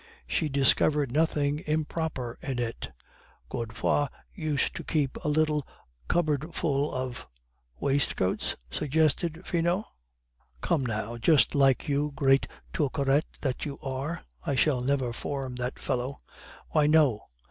She discovered nothing 'improper' in it. Godefroid used to keep a little cupboard full of " "Waistcoats?" suggested Finot. "Come, now, just like you, great Turcaret that you are. (I shall never form that fellow.) Why, no.